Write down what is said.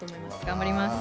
頑張ります。